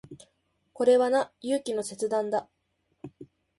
これはな、勇気の切断だ。